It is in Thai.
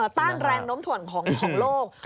ต้านแรงน้มถ่วนของโลก